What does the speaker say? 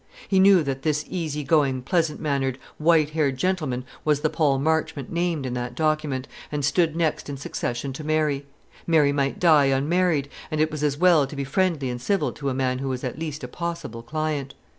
He knew that this easy going, pleasant mannered, white haired gentleman was the Paul Marchmont named in that document, and stood next in succession to Mary. Mary might die unmarried, and it was as well to be friendly and civil to a man who was at least a possible client.